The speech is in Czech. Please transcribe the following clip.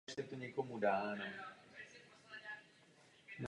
V hudbě byl prakticky samouk.